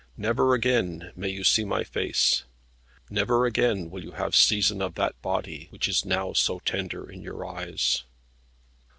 Never again may you see my face. Never again will you have seisin of that body, which is now so tender in your eyes."